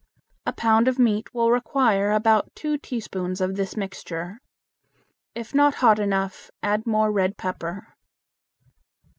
A pound of meat will require about two teaspoons of this mixture. If not hot enough add more red pepper.